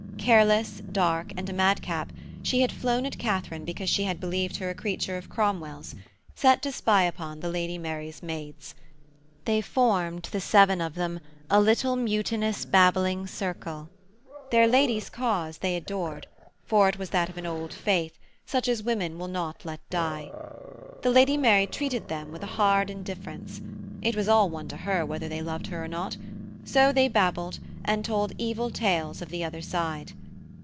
Careless, dark, and a madcap, she had flown at Katharine because she had believed her a creature of Cromwell's, set to spy upon the Lady Mary's maids. They formed, the seven of them, a little, mutinous, babbling circle. Their lady's cause they adored, for it was that of an Old Faith, such as women will not let die. The Lady Mary treated them with a hard indifference: it was all one to her whether they loved her or not; so they babbled, and told evil tales of the other side.